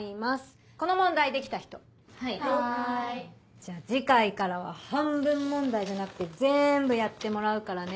じゃ次回からは半分問題じゃなくてぜんぶやってもらうからね。